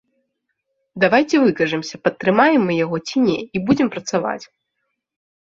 Давайце выкажамся, падтрымаем мы яго ці не, і будзем працаваць.